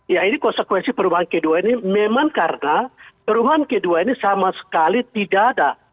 ya ini konsekuensi perubahan k dua ini memang karena perubahan k dua ini sama sekali tidak ada